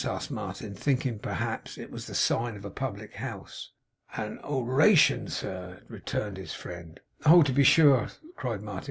asked Martin, thinking, perhaps, it was the sign of a public house. 'An o ration, sir,' returned his friend. 'Oh! to be sure,' cried Martin.